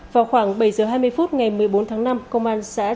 vào khoảng bảy giờ hai mươi phút ngày một mươi bốn tháng năm công an sẽ trả lời